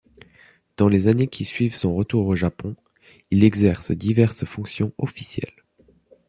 Dans les années qui suivent son retour au Japon, il exerce diverses fonctions officielles.